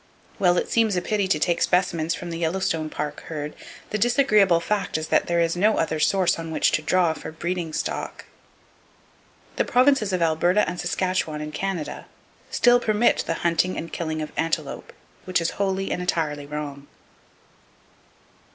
While it seems a pity to take specimens from the Yellowstone Park herd, the disagreeable fact is that there is no other source on which to draw for breeding stock. The Provinces of Alberta and Saskatchewan, in Canada, still permit the hunting and killing of antelope; which is wholly and entirely wrong.